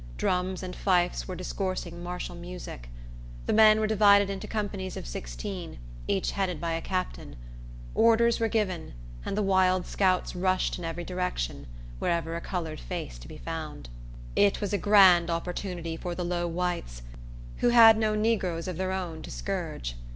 Drums and fifes were discoursing martial music. The men were divided into companies of sixteen, each headed by a captain. Orders were given, and the wild scouts rushed in every direction, wherever a colored face was to be found. It was a grand opportunity for the low whites, who had no negroes of their own to scourge.